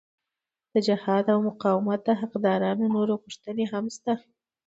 د جهاد او مقاومت د حقدارو نورې غوښتنې هم شته.